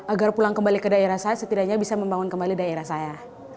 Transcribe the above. agar pulang kembali ke daerah saya setidaknya bisa membangun kembali daerah saya